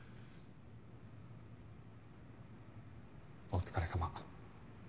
お疲れさま。